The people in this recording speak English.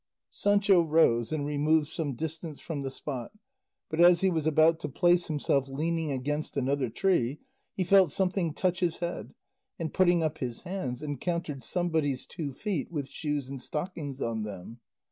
Sancho rose and removed some distance from the spot, but as he was about to place himself leaning against another tree he felt something touch his head, and putting up his hands encountered somebody's two feet with shoes and stockings on them.